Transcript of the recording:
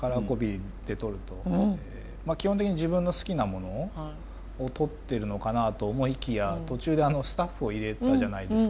基本的に自分の好きなものを撮ってるのかなと思いきや途中でスタッフを入れたじゃないですか。